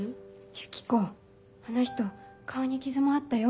ユキコあの人顔に傷もあったよ。